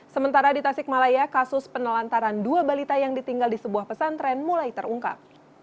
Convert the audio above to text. sementara di tasikmalaya kasus penelantaran dua balita yang ditinggal di sebuah pesantren mulai terungkap